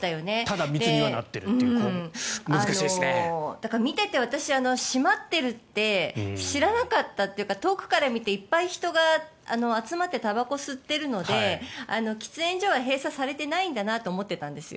だから、見ていて私、閉まっているって知らなかったっていうか遠くから見ていっぱい人が集まってたばこを吸ってるので喫煙所は閉鎖されていないんだなと思ってたんですよ。